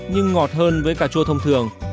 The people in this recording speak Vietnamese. nhưng ngọt hơn với cà chua thông thường